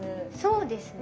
そうですね。